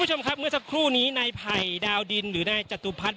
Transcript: คุณผู้ชมครับเมื่อสักครู่นี้นายไผ่ดาวดินหรือนายจตุพัฒน์